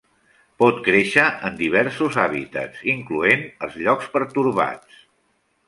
Pot créixer en diversos hàbitats incloent els llocs pertorbats.